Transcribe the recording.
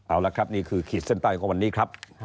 เอาละครับนี่คือขีดเส้นใต้ของวันนี้ครับ